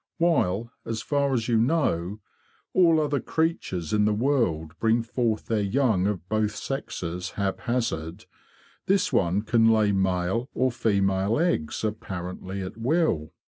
While, as far as you know, all other creatures in the world bring forth their young of both sexes hap hazard, this one can lay male or female eggs apparently at will.